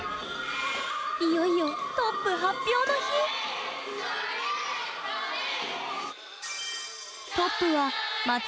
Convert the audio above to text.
いよいよトップ発表の日あっへえ。